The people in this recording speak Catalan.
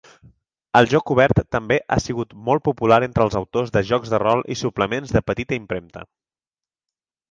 El joc obert també ha sigut molt popular entre els autors de jocs de rol i suplements de petita impremta.